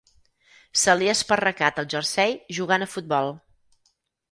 Se li ha esparracat el jersei jugant a futbol.